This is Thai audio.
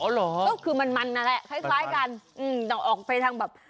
อ๋อเหรอคือมันนั่นแหละคล้ายกันอืมออกไปทางแบบ